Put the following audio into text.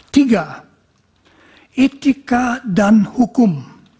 tiga etika dan hukum